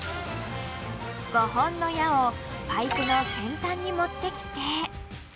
５本の矢をパイプの先端に持ってきて。